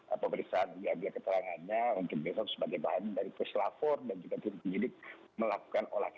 apakah bisa dia biar keterangannya mungkin besok sebagai bahan dari press lapor dan juga penyelidik melakukan olahraga kt